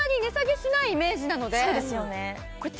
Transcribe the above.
そうですよね